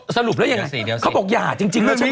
สรุปหรือยังไงเขาบอกยาจริงแล้วใช่มะ